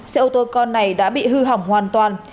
xe ô tô con này đã bị hư hỏng hoàn toàn